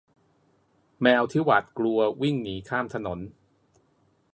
แมวที่หวาดกลัววิ่งหนีข้ามถนน